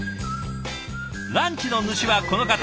ランチの主はこの方